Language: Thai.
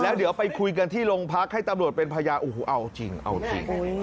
เดี๋ยวไปคุยกันที่โรงพักให้ตำรวจเป็นพยานโอ้โหเอาจริงเอาจริง